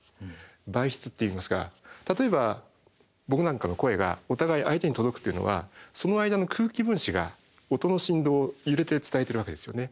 「媒質」っていいますが例えば僕なんかの声がお互い相手に届くっていうのはその間の空気分子が音の振動を揺れて伝えてるわけですよね。